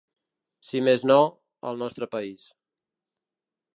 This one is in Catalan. Si més no, al nostre país.